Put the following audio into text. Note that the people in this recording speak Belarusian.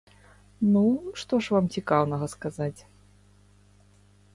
Ну, што ж вам цікаўнага сказаць?